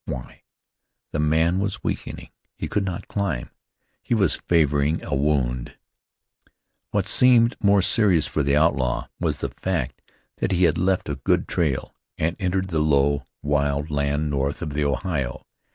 Why? The man was weakening; he could not climb; he was favoring a wound. What seemed more serious for the outlaw, was the fact that he had left a good trail, and entered the low, wild land north of the Ohio.